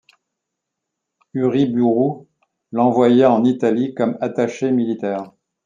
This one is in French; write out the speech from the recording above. Uriburu l'envoya en Italie comme attaché militaire.